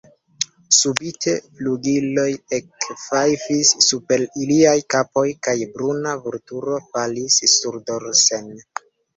Subite flugiloj ekfajfis super iliaj kapoj, kaj bruna vulturo falis surdorsen.